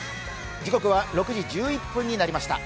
時刻は６時１１分になりました。